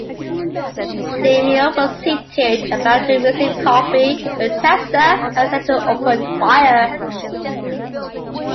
DeMeo was seated, about to receive coffee, when Testa and Senter opened fire.